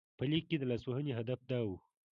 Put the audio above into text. په لیک کې د لاسوهنې هدف دا و.